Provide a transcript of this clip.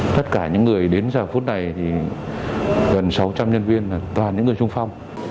tất cả những người đến giờ phút này thì gần sáu trăm linh nhân viên là toàn những người trung phong